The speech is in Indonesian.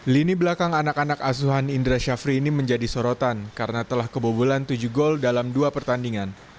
lini belakang anak anak asuhan indra syafri ini menjadi sorotan karena telah kebobolan tujuh gol dalam dua pertandingan